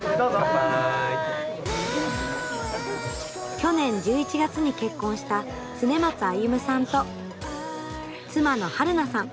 去年１１月に結婚した恒松歩夢さんと妻の遥南さん。